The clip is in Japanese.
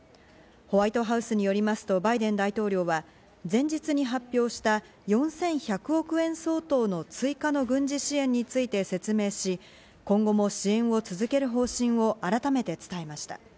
ホワイトハウスによりますとバイデン大統領は前日に発表した４１００億円相当の追加の軍事支援について説明し、今後も支援を続ける方針を改めて伝えました。